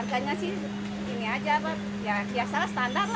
harganya sih ini aja bu ya biasanya standar lah